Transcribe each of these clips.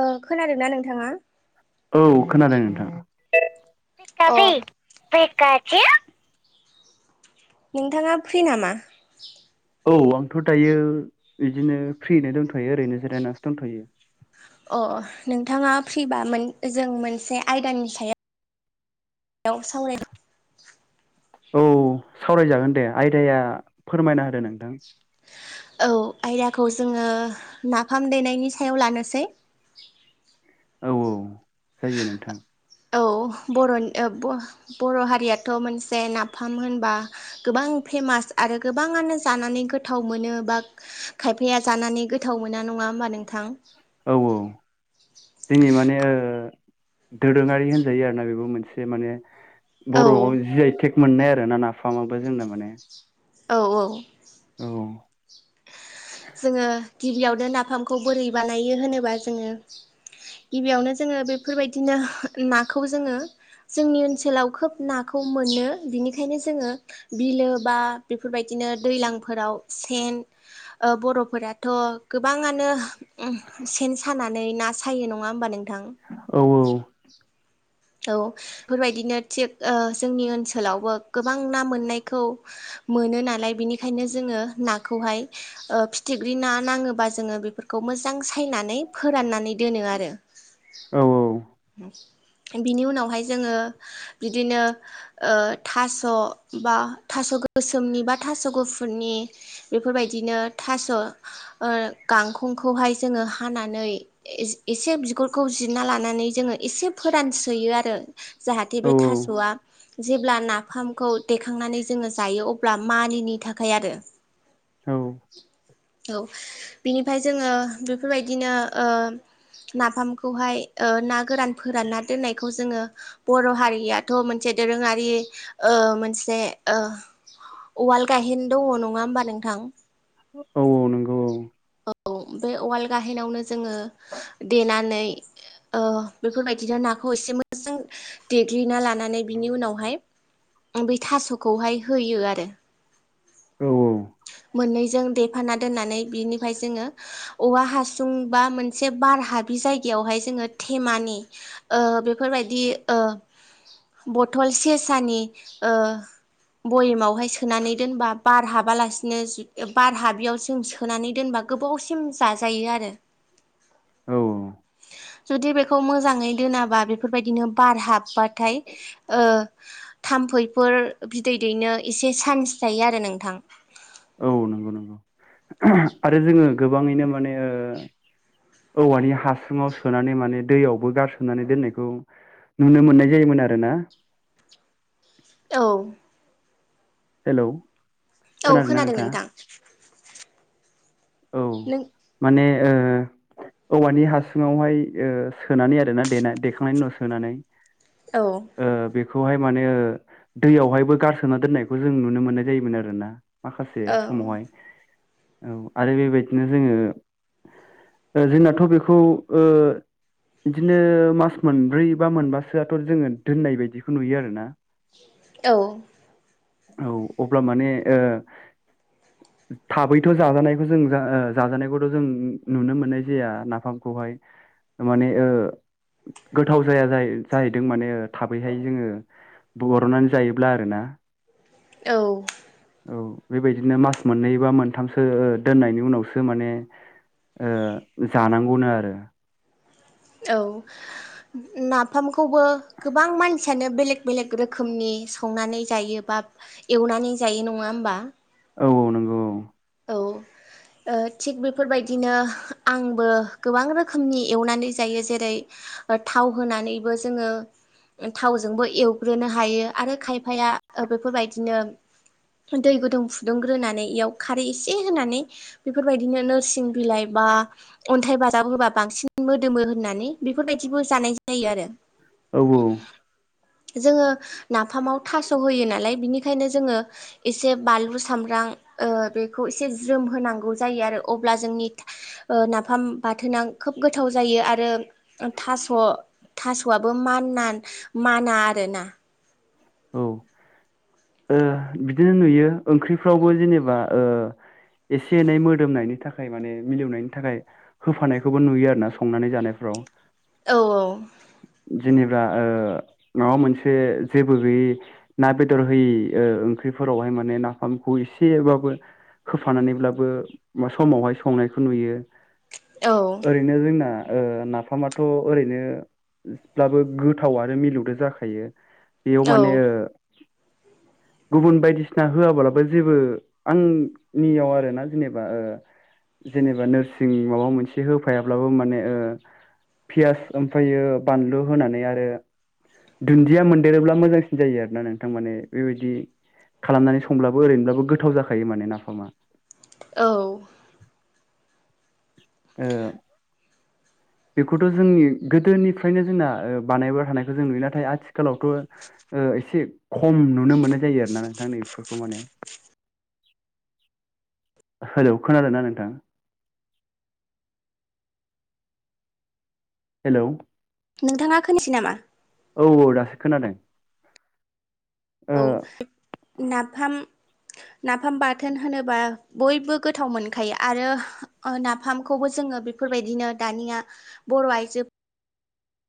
ओ खोनादोंना नोंथाङा? औ खोनादों नोंथां, अ फिखाबि फिखाजु नोंथाङा फ्रि नामा? औ आंथ' दायो बिदिनो फ्रियनो दंथ'यो ओरैनो जिरायनानैसो दंथ'यो, अ नोंथाङा फ्रिबा जों मोनसे आयदानि सा सायाव सावरायदों औ सावरायजागोन दे आयदाया फोरमायना होदो नोंथां औ आयदाखौ जोङो नाफाम दैेनायनि सायाव लानोसै औ औ जायो नोंथां। औ बर' बर' हारियाथ' मोनसे नाफाम होनबा गोबां, फेमास आरो गोबाङानो जानानै गोथाव मोनो बा खायफाया जानानै गोथाव मोना नङा नुङा ओमबा नोंथां, औ औ दिनै माने ओ दोरोङारि होनजायो आरोना बेबो मोनसे माने औ बर'आव जि आइ थेक मोननाय आरो ना नाफामाबो जोंना माने, औ औ औ जोङो गिबियावनो नाफामखौ बोरै बानायो होनोबा जोङो। गिबियावनो जोङो बेफोरबायदिनो नाखौ जोङो, जोंनि ओनसोलाव खोब नाखौ मोनो बिनिखायनो जोङो बिलो बा बेफोरबायदि, बिदिनो दैजलांफोराव सेन, ओ बर'फोराथ' गोबाङानो सेन सानानै ना सायो नङा होमबा नों नोंथां औ औ बेफोरबायदिनो थिग ओ जोंनि ओनसोलावबो गोबां ना मोननायखौ, मोनो नालाय बेनिखायनो जोङो नाखौहाय ओ फिथिख्रि ना नाङोबा जोङो बेफोर खौ मोजां सायनानै फोराननानै दोनो आरो औ बिनि उनावहाय जोङो बिदिनो ओ थास बा थास गोसोमनि बा थास गुफुरनि बेफोरबायदिनो थास ओ गां गांखंखौहाय जोङो हानानै एसे बिगुरखौ जिरना लानानै जोङो एसे फोरानस्रोयो आरो जाहाथे औ बे थासआ जेब्ला ना, नाफामखौ देखांनानै जोङो जायो अब्ला मानिनि थाखाय आरो औ बिनिफाय जोङो बेफोरबायदिनो ओ नाफामखौहाय ओ ना गोरान, फोरानना दोननायखौ जोङो बर' हारियाथ मोनसे दोरोङारि मोनसे, ओ अवाल गायहेनो दङ नङा होमबा नोंथां, औ औ नोंगौ औ औ बे उवाल गाहेनावनो जोङो देनानै ओ बेफोरबायदिनो नाखौ एसे मोजां देग्लिना लानानै बिनि उनावहाय बे थासखौहाय होयो आरो औ मोननैजों देफाना दोननानै बिनि फाय जोङो औवा हासुं बा मोनसे बार हाबि जायगायावहाय जोङो थेमानि ओ बेफोरबायदि ओ बथल सेसानि ओ भयेमावहाय सोनानै दोनबा बार हाबालासिनो बार हाबियाव जों सोनानै दोनबा गोबावसिम जाजायो आरो औ जुदि बेखौ मोजाङै दोनाबा बेफोरबायदिनो बार हाबबाथाय ओ थाम्फैफोर बिदै दैनो एसे चान्स जायो आरो नोंथां औ नंगौ नंगौ आरो जोङो गोबाङैनो माने ओ औवानि हासुङाव सोनानै माने दैयावबो गारसोमनानै दोननायखौ नुनो मोननाय जायोमोन आरो ना औ हेलौ औ खोनादोंना खोनादों नोंथाङा नोंथां औ नों माने ओ औवानि हासुङावहाय ओ सोनानै आरोना देनाय देखांनायनि उनाव सोनानै औ खौहाय माने दैयावहायबो गारसोना दोननायखौ जों नुनो मोननाय जायोमोन आरो ना माखासे औ समावहाय औ आरो बेबायदिनो जोङो ओ जोंनाथ बेखौ ओ बिदिनो मास मोनब्रै बा मोनबासोआथ जोङो दोननाय बायदिखौ नुयो आरोना औ औ अब्ला माने ओ थाबैथ जाजानाय खौ जों जा ओ जाजानायखौथ जों नुनो मोननाय जाया नाफामखौहाय माने ओ गोथाव जाया जायो जायैदों माने थाबैहाय जोङो बलरनानै जायोब्ला आरो ना औ औ बेबायदिनो मास मोननै बा मोनथामसो ओ दोननायनि उनावसो माने ओ जानांगौनो आरो औ नाफामखौबो गोबां मानसियानो बेलेक बेलेग रोखोमनि संनानै जायो बा एवनानै जायो नङा होमबा औ औ नंगौ औ ओ थिग बेफोरबायदिनो आंबो गोबां रोखोमनि एवनानै जायो जेरै थाव होनानैबो जोङो ओह थावजोंबो एवग्रोनो हायो आरो खायफाया ओह बेफोरबायदिनो दै गुदुं फुदुंग्रोनानै इयाव खारै एसे होनानै बेफोरबायदिनो नोरसिं बिलाइ बा अन्थाइ बाजाब होबा बांसिन मोदोमो होननानै बेफोरबायदिबो जानाय जायो आरो औ जोङो नाफामाव थास' होयो नालाय बिनिखायनो जोङो एसे बानलु सामब्राम ओह बेखौ एसे ज्रोम होनांगौ जायो आरो अब्ला जोंनि ओह नाफाम बाथोना खोब गोथाव जायो आरो ओह थास' थास'आबो मानान माना आरोना औ ओह बिदिनो नुयो ओंख्रिफ्रावबो जेनेबा ओह एसे एनै मोदोमनायनि थाखाय माने मिलौनायनि थाखाय होफानायखौबो नुयो आरोना संनानै जानाय औ औ-औ बा ओह माबा मोनसे जेबो गोयि ना बेदर होयि ओह ओंख्रिफोरावहाय माने नाफामखौ एसेबाबो होफानानैब्लाबो अब्बा समावहाय संनायखौ नुयो औ ओरैनो जोंना ओह नाफामाथ' ओरैनोब्लाबो गोथाव आरो मिलौदो जाखायो बेयाव औ माने ओह [inaudible] गुबुन बायदिसिना होआबालाबा जेबो आंनियाव आरोना जेनेबा ओह जेनेबा नोरसिं माबा मोनसे होफायाब्लाबो माने ओह पियास ओमफायो बानलु होनानै आरो दुनदिया मोन देरोब्ला मोजांसिन जायो आरोना नोंथां माने बेबायदि खालामनानै संब्लाबो ओरैनोब्लाबो गोथाव जाखायो माने नाफामा औ ओ [inaudible] बेखौथ' जोंनि गोदोनिफ्रायनो जोंना ओह बानायबाय थानायखौ जों नुयो नाथाय आथिखालावथ' ओह एसे खम नुनो मोननाय जायो आरोना नोंथां बेफोरखौ माने हेलौ खोनादोना नोंथां हेलौ नोंथाङा खोनायासै नामा औ-औ दासो खोनादों ओ औ नाफाम नाफाम बाथोन होनोबा बयबो गोथाव मोनखायो आरो ओह नाफामखौबो जों जोङो बेफोरबायदिनो दानिया बर' आइजो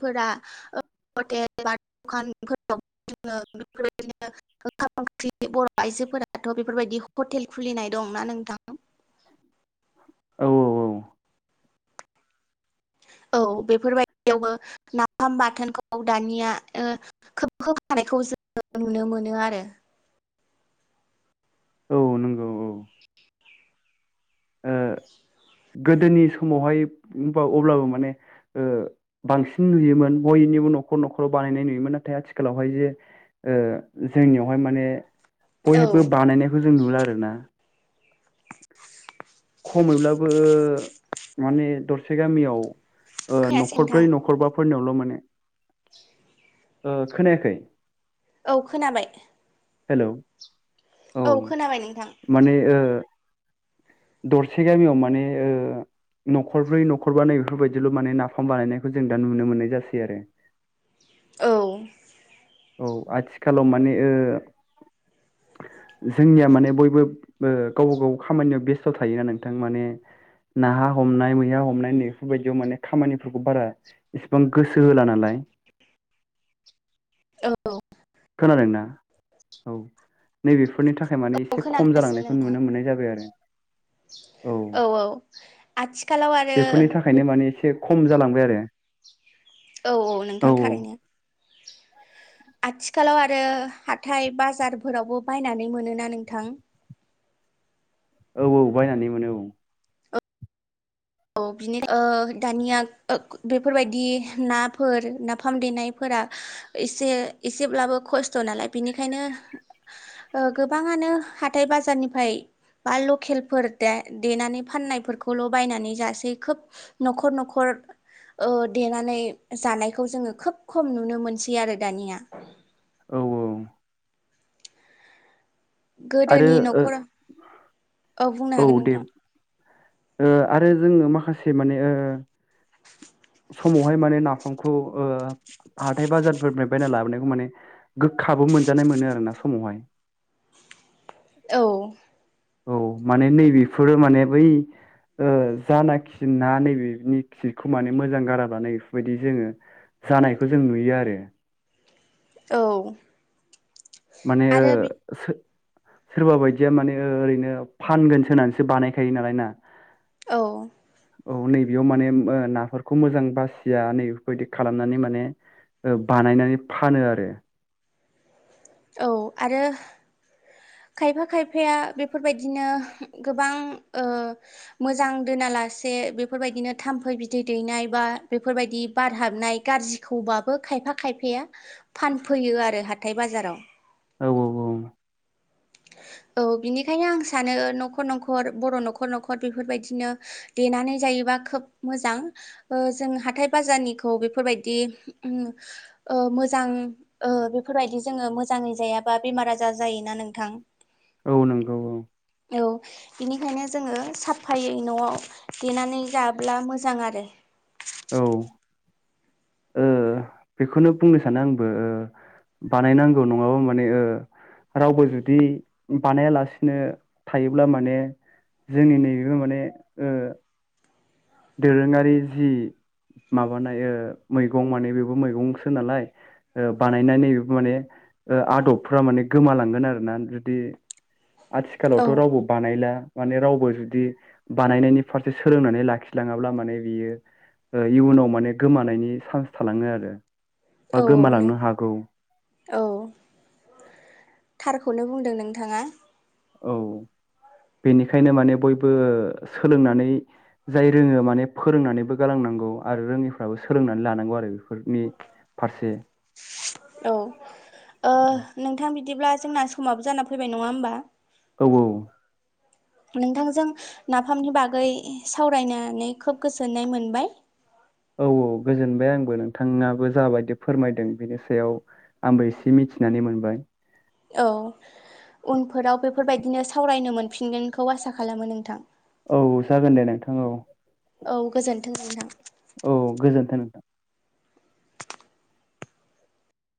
फोर ओह हटेल बा दखानफोराव [unintelligible] बेफोरबायदिनो ओंखाम ओंख्रि बर' आइजोफोराथ' बेफोरबायदि हटेल खुलिनाय दं ना नोंथां औ-औ-औ औ बेफोरबायदियावबो नाफाम बाथोनखौ दानिया ओह खोब होफानायखौ जोङो नुनो मोनो आरो औ नंगौ औ ओ गोदोनि समावहाय होमबा अब्लाबो माने ओह बांसिन नुयोमोन बयनि बो न'ख न'खराव बानायनाय नुयोमोन नाथाय आथिखालावहाय जे ओह जोंनियावहाय माने औ बयबो बानायनायखौ जों नुला आरोना खमैब्लाबो माने दरसे गामियाव ओह खोनायासै नोंथां न'खरब्रै न'खरबाफोरनियावल' माने [inaudible] ओह खोनायाखै औ खोनाबाय हेल' औ खोनाबाय नोंथां ओ [inaudible] दरसे गामियाव माने ओ न'खरब्रै न'खरबा नै बेफोर बायदिल' माने नाफाम बानायनायखौ जों दा नुनो मोननाय जासै आरो औ औ आथिखालाव माने ओ [inaudible] जोंनिया माने बयबो ओ गावबा गाव खामानियाव बेस्थ' थायोना नोंथां माने नाहा हमनाय मैहा हमनाय नैफोर बायदियाव माने खामानिफोरखौ बारा एसेबां गोसो होला नालाय औ खोनादोंना औ नै बेफोरनि थाखा खाय माने औ एसे खम खोनागासिनो जालांनायखौ नोंथां नुनो मोननाय जाबाय आरो। औ औ आथिखालाव आरो बेफोरनि थाखायनो बे माने एसे खम जालांबाय आरो। औ औ नोंथां थारैनो। आथिखालाव आरो हाथाय बाजारफोरावबो बायनानै मोनोना नोंथां? औ औ बायनानै मोनो औ। औ बिनि ओ दानिया ओ बेफोरबायदि नाफोर नाफाम देनायफोर फोरा एसे एसेब्लाबो खस्थ' नालाय बिनिखायनो ओ गोबाङानो हाथाय बाजारनिफ्राय बा लखेलफोर दे-देनानै फाननायफोरखौल' बायनानै जासै खोब न'खर न'खर ओ देनानै जानायखौ जोङो खोब खम नुनो मोनसै आरो दानिया। औ औ। आरो गोदोनि न'खराव औ। बुंनो औ हागोन दे नोंथां ओ आरो जोङो माखासे माने ओ समावहाय माने नाफामखौ ओ हाथाय बाजारफोरनिफ्राय बायना लाबोनायखौ माने गोखाबो मोनजानाय मोनो आरोना समावहाय। औ औ माने नै बेफोरो माने बै ओ जानोखि ना नैबेनि खिखौ माने मोजां गाराबानो इफोबायदि जोङो जानायखौ जों नुयो आरो। औ माने ओ आरो बि सो सोरबा बायदिया माने ओरैनो फानगोनस होनानैसो बानायखायो नालाय ना? औ औ नैबेयाव माने ओ नाफोरखौ मोजां बासिया नै इफोरबायदि खालामनानै माने ओ बानायनानै फानो आरो। औ आरो खायफा खायफाया बेफोर बायदिनो गोबां ओ मोजां दोना ला से बेफोरबायदिनो थाम्फै बिदै दैनाय बा बेफोरबायदि बार हाबनाय गाज्रिखौबाबो खायफा खायफाया फानफैयो आरो हाथाय बाजाराव। औ औ औ। [inaudible] औ बिनिखायनो आं सानो ओ न'खर न'खर बर' न'खर न'खर बेफोरबायदिनो देनानै जायो बा खोब मोजां ओ जों हाथाय बाजारनिखौ बेफोरबायदि उम ओ मोजां ओ बेफोरबायदि जोङो मोजाङै जायाबा बेमार आजार जायोना नों औ नंगौ औ। औ बिनिखायनो जोङो साफायै न'आव देनानै जाब्ला मोजां आरो। औ औ ओ बेखौनो बुंनो सानो आंबो ओ बानायनांगौ नङाबा माने ओ रावबो जुदि बानायालासिनो थायोब्ला माने जोंनि नैबेबो माने ओ दोरोङारि जि माबानाय ओ मैगं माने बेबो मैगंसो नालाय ओ बानायनानै बेबो माने ओ आदबफ्रा माने गोमालांगोन आरो ना जुदि औ आथिखालावथ' रावबो बानायला माने रावबो जुदि बानायनायनि फारसे सोलोंनानै लाखि लाङाब्ला माने बियो ओ इयुनाव माने गोमानायनि सान्च थालाङो आरो। बा औ नों गोमालांनो हागौ। औ थारखौनो बुंदों नोंथाङा। औ। बेनिखायनो माने बयबो सोलोंनानै जाय रोङो माने फोरोंनानैबो गालां नांगौ आरो रोङिफ्राबो सोलोंनानै लानांगौ आरो बेफोरनि फारसे। औ ओ औ नोंथां बिदिब्ला जोंना समाबो जाना फैबाय नङा होमबा? औ औ। [inaudible] नोंथांजों नाफामनि बागै सावरायनानै खोब गोजोननाय मोनबाय। औ औ गोजोनबाय आंबो नोंथाङाबो जाबायदि फोरमायदों बेनि सायाव आंबो एसे मिथि नानै मोनबाय। औ उनफोराव बेफोरबायदिनो सावरायनो मोनफिनगोनखौ आसा खालामो नोंथां। औ जागोन दे नोंथां औ। औ गोजोन्थों नोंथा। औ गोजोन्थों नोंथां।